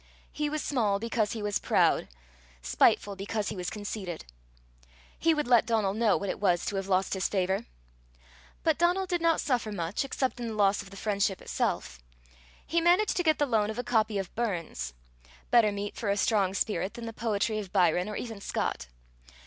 He was small because he was proud, spiteful because he was conceited. He would let Donal know what it was to have lost his favour! But Donal did not suffer much, except in the loss of the friendship itself. He managed to get the loan of a copy of Burns better meat for a strong spirit than the poetry of Byron or even Scott.